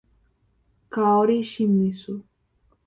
Kaori Shimizu